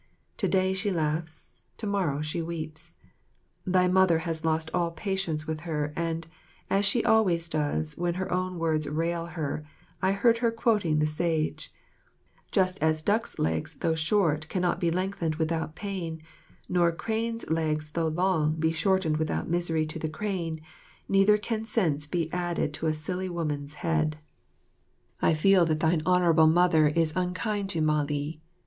To day she laughs, to morrow she weeps. Thy Mother has lost all patience with her, and, as she always does when her own words rail her, I heard her quoting the Sage: "Just as ducks' legs though short cannot be lengthened without pain, nor cranes' legs though long be shortened without misery to the crane, neither can sense be added to a silly woman's head." I feel that thine Honourable Mother is unkind to Mah li.